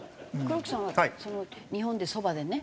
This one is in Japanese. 黒木さんは日本でそばでね